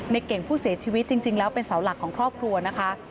เก่งผู้เสียชีวิตจริงแล้วเป็นเสาหลักของครอบครัวนะคะ